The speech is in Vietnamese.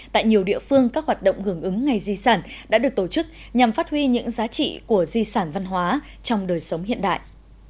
tại nhiều địa phương các hoạt động hưởng ứng ngày di sản đã được tổ chức nhằm phát huy những giá trị của di sản văn hóa trong đời sống hiện đại